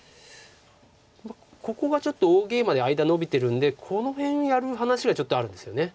ここがちょっと大ゲイマで間のびてるんでこの辺やる話がちょっとあるんですよね。